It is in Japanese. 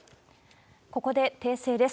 ここで訂正です。